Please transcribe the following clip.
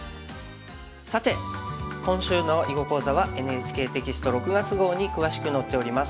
さて今週の囲碁講座はＮＨＫテキスト６月号に詳しく載っております。